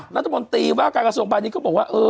นัฐมนตรีว่าการกระทรวงปลายนี้เค้าบอกว่า